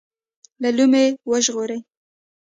له لومې وژغوري.